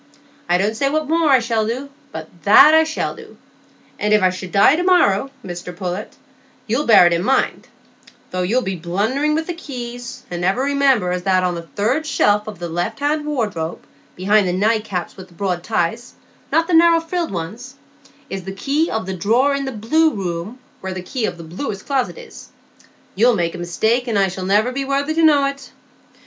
I don't say what more I shall do; but that I shall do, and if I should die to morrow, Mr Pullet, you'll bear it in mind,—though you'll be blundering with the keys, and never remember as that on the third shelf o' the left hand wardrobe, behind the night caps with the broad ties,—not the narrow frilled uns,—is the key of the drawer in the Blue Room, where the key o' the Blue Closet is. You'll make a mistake, and I shall niver be worthy to know it.